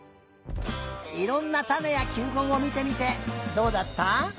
いろんなたねやきゅうこんをみてみてどうだった？